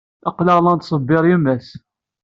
Aql-aɣ la nettṣebbir yemma-s.